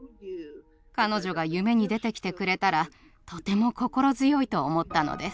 彼女が夢に出てきてくれたらとても心強いと思ったのです。